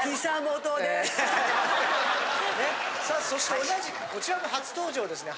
さあそして同じくこちらも初登場ですね。